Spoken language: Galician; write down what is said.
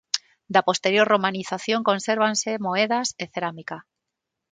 Da posterior romanización consérvanse moedas e cerámica.